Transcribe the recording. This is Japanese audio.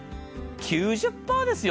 ９０％ですよ。